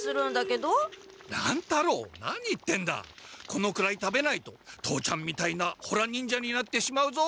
このくらい食べないと父ちゃんみたいなホラ忍者になってしまうぞ。